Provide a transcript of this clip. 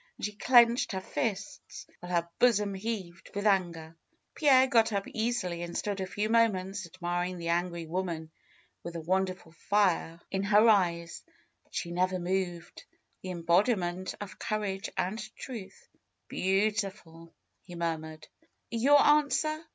And she clenched her fists, while her bosom heaved with anger. Pierre got up easily and stood a few moments ad miring the angry woman with the wonderful fire in 264 FAITH her eyes. But she never moved; the embodiment of courage and truth. ^^Beautiful he murmured. ^^Your answer?